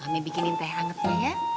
ami mami bikinin teh angetnya ya